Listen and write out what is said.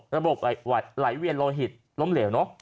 ระบบไหลเวียนโลหิตล้มเหลวเนอะ